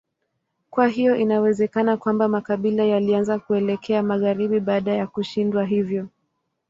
Kwa hiyo inawezekana kwamba makabila yalianza kuelekea magharibi baada ya kushindwa hivyo.